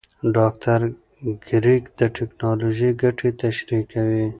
ډاکټر کریګ د ټېکنالوژۍ ګټې تشریح کوي.